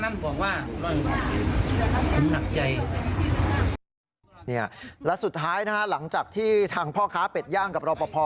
เนี่ยและสุดท้ายนะฮะหลังจากที่ทางพ่อค้าเป็ดย่างกับรอปภ